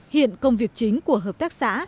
hiện công việc chính của hợp tác xã